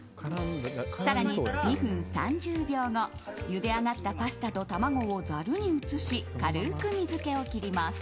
更に２分３０秒後ゆで上がったパスタと卵をざるに移し軽く水気を切ります。